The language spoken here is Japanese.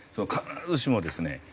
必ずしもですね